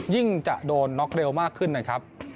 จะโดนน็อกเร็วมากขึ้นนะครับ